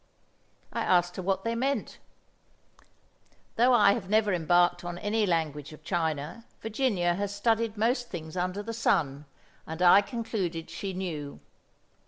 I asked her what they meant; though I have never embarked on any language of China, Virginia has studied most things under the sun, and I concluded she knew.